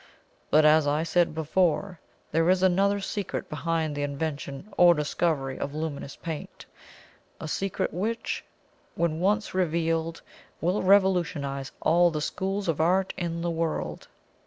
But, as I said before, there is another secret behind the invention or discovery of luminous paint a secret which, when once unveiled, will revolutionize all the schools of art in the world."